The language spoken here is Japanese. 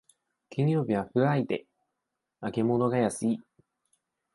金曜日はフライデー、揚げ物が安い